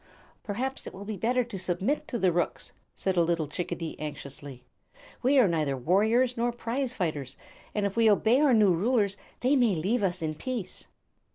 "Perhaps it will be better to submit to the rooks," said a little chickadee, anxiously. "We are neither warriors nor prizefighters, and if we obey our new rulers they may leave us in peace."